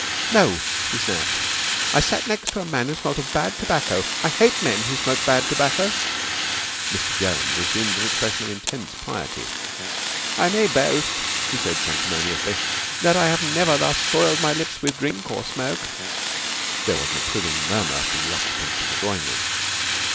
"No," she snapped. "I sat next a man who smelt of bad tobacco. I hate men who smoke bad tobacco." Mr. Jones assumed an expression of intense piety. "I may boast," he said sanctimoniously, "that I have never thus soiled my lips with drink or smoke ..." There was an approving murmur from the occupants of the drawing room.